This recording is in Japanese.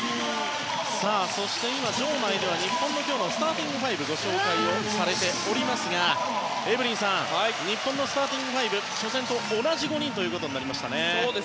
そして、場内では日本のスターティングファイブがご紹介をされておりますがエブリンさん、日本のスターティングファイブ初戦と同じ５人となりましたね。